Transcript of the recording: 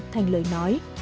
thành lời nói